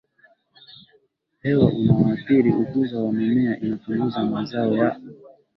hewa unaoathiri ukuzi wa mimea Inapunguza mazao ya